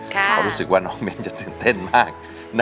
เพราะรู้สึกว่าน้องเม้นจะตื่นเต้นมาก